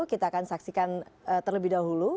kita akan saksikan terlebih dahulu